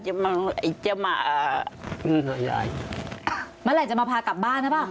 เอาเสื้อมาให้เขาไหมเขาจะกลับบ้าน